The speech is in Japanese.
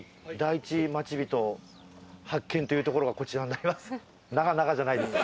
発見というところがこちらになります。